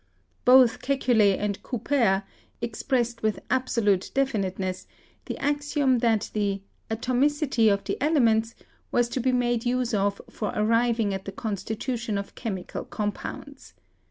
Both Kekule and Couper expressed with absolute def initeness the axiom that the "atomicity of the elements" was to be made use of for arriving at the constitution of chemical compounds.